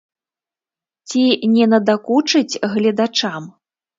Ці не надакучыць гледачам?